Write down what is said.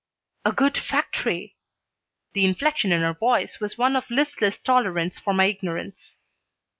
"A good factory!" The inflection in her voice was one of listless tolerance for my ignorance.